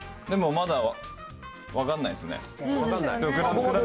でもまだ分かんないですね。